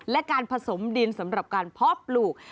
และการผสมดินสำหรับการเพาะปลูก